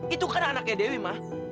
itu kan anaknya dewi mah